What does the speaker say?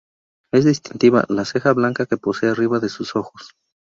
Es distintiva la ceja blanca que posee arriba de sus ojos.